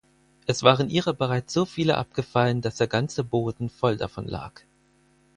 Es waren ihrer bereits so viele abgefallen, daß der ganze Boden voll davon lag.